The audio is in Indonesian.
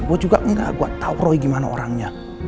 gua juga engga gua tau roy gimana orangnya